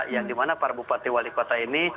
yang dimana para bupati wali kota ini